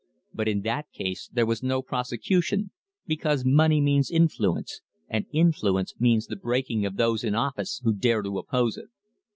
But in that case there was no prosecution because money means influence, and influence means the breaking of those in office who dare to oppose it."